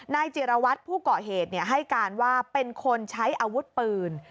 นายจิรวัตรผู้เกาะเหตุให้การว่าเป็นคนใช้อาวุธปืน